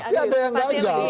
pasti ada yang gagal